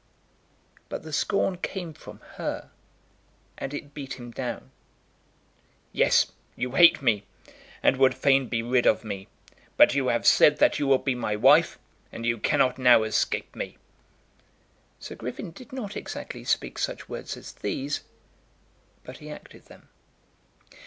But the scorn came from her, and it beat him down. "Yes; you hate me, and would fain be rid of me; but you have said that you will be my wife, and you cannot now escape me." Sir Griffin did not exactly speak such words as these, but he acted them.